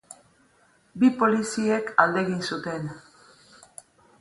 Bi poliziek alde egin zuten.